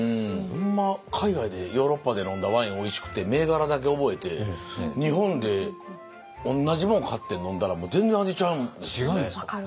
ほんま海外でヨーロッパで飲んだワインおいしくて銘柄だけ覚えて日本で同じ物買って飲んだら全然味ちゃうんですよね。